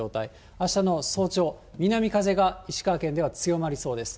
あしたの早朝、南風が石川県では強まりそうです。